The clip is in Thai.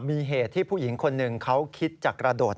มีเหตุที่ผู้หญิงคนหนึ่งเขาคิดจะกระโดด